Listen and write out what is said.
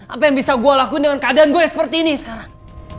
apa yang bisa gua lakuin dengan keadaan gua yang seperti ini sekarang